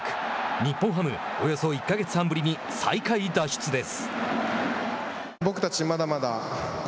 日本ハム、およそ１か月半ぶりに最下位脱出です。